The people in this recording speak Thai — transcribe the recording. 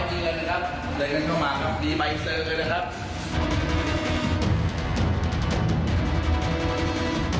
เดี๋ยวมันก็มาครับดีใบเซอร์เลยนะครับ